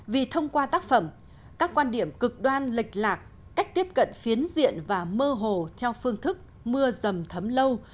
vì thông qua tác phẩm các quan điểm cực đoan lệch lạc cách tiếp cận phiến diện và mơ hồ theo phương thức mưa dầm thấm lâu